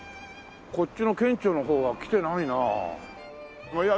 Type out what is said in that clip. こっちの県庁の方は来てないなあ。